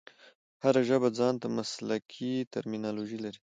هره ژبه ځان ته مسلکښي ټرمینالوژي لري.